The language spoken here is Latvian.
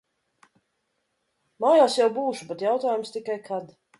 Mājās jau būšu, bet jautājums tikai kad.